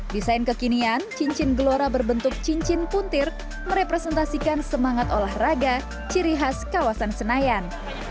desain kekinian cincin gelora berbentuk cincin puntir merepresentasikan semangat olahraga ciri khas kawasan senayan